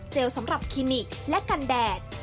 สำหรับคลินิกและกันแดด